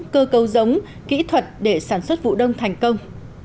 cơ cấu giống kỹ thuật để sản xuất vụ đông thành công